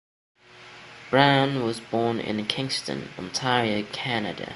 Brown was born in Kingston, Ontario, Canada.